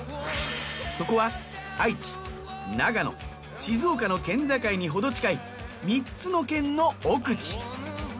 そこは愛知長野静岡の県境にほど近い３つの県の奥地。